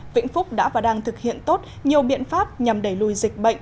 vĩnh phúc đã và đang thực hiện tốt nhiều biện pháp nhằm đẩy lùi dịch bệnh